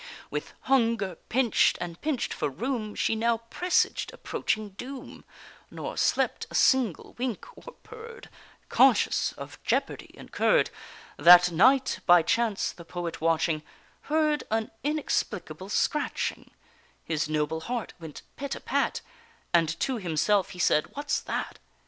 With hunger pinch'd, and pinch'd for room, She now presaged approaching doom, Nor slept a single wink, or purr'd, Conscious of jeopardy incurr'd. That night, by chance, the poet watching, Heard an inexplicable scratching; His noble heart went pit a pat, And to himself he said "What's that?"